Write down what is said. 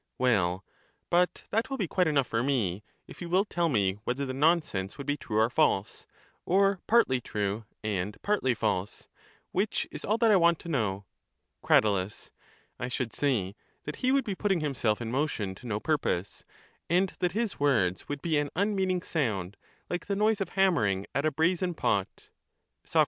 Well, but that will be quite enough for me, if you will tell me whether the nonsense would be true or false, or 430 partly true and partly false :— which is all that I want to know. Crat. I should say that he would be putting himself in motion to no purpose ; and that his words would be an un meaning sound like the noise of hammering at a brazen pot. Soc.